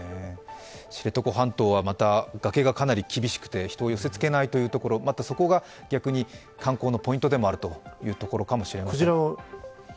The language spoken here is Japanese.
知床半島は崖がかなり厳しくて人を寄せ付けないというところ、またそこが観光のポイントでもあるところであるかもしれません。